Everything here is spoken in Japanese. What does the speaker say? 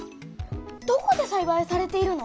どこでさいばいされているの？